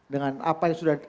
dengan apa yang sudah